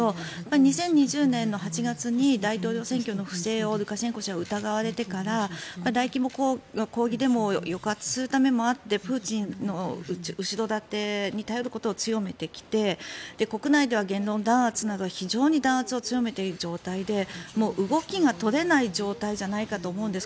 ２０２０年の８月に大統領選挙の不正をルカシェンコ氏は疑われてから大規模な抗議デモを抑圧するためもあってプーチンの後ろ盾に頼ることを強めてきて国内では言論弾圧など非常に弾圧を強めている状態でもう動きが取れない状態じゃないかと思うんです